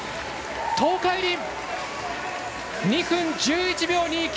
東海林、２分１１秒２９。